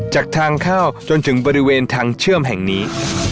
จากทางเข้าจนถึงบริเวณทางเชื่อมแห่งนี้